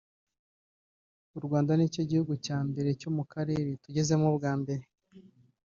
u Rwanda nicyo gihugu cya mbere cyo mu Karere tugezemo bwa mbere